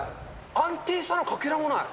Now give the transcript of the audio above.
安定さのかけらもない。